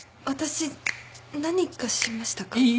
私何かしましたか？